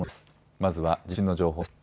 まずは地震の情報です。